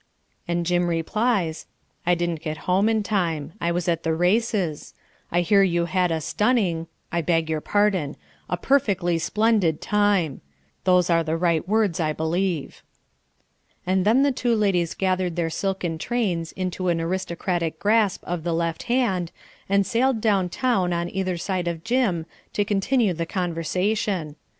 And Jim replies, "I didn't get home in time. I was at the races. I hear you had a stunning I beg your pardon a perfectly splendid time. Those are the right words, I believe." And then the two ladies gathered their silken trains into an aristocratic grasp of the left hand, and sailed down town on either side of "Jim" to continue the conversation.